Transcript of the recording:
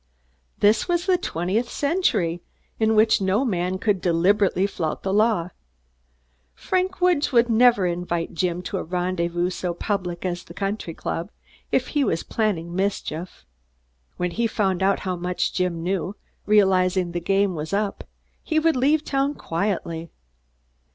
This was the twentieth century, in which no man could deliberately flout the law. Frank Woods would never have invited Jim to a "rendezvous" so public as the country club, if he planned mischief. When he found out how much Jim knew, realizing the game was up, he would leave town quietly.